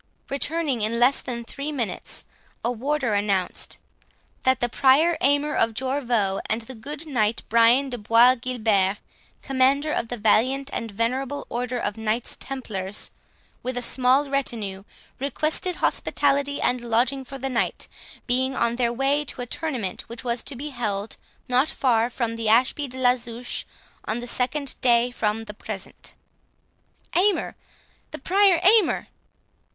Returning in less than three minutes, a warder announced "that the Prior Aymer of Jorvaulx, and the good knight Brian de Bois Guilbert, commander of the valiant and venerable order of Knights Templars, with a small retinue, requested hospitality and lodging for the night, being on their way to a tournament which was to be held not far from Ashby de la Zouche, on the second day from the present." "Aymer, the Prior Aymer?